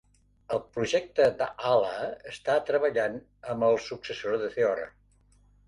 El projecte Daala està treballant amb el successor de Theora.